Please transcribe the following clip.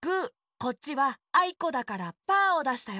こっちは「あいこ」だからパーをだしたよ。